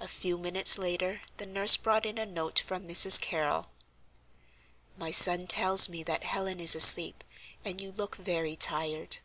A few minutes later the nurse brought in a note from Mrs. Carrol. "My son tells me that Helen is asleep, and you look very tired.